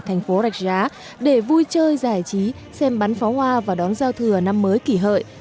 thành phố rạch giá để vui chơi giải trí xem bắn pháo hoa và đón giao thừa năm mới kỷ hợi